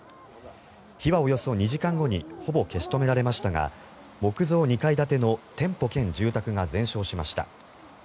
火はおよそ２時間後にほぼ消し止められましたが木造２階建ての店舗兼住宅が全焼しました。